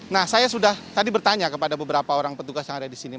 nah saya sudah tadi bertanya kepada beberapa orang petugas yang ada di sini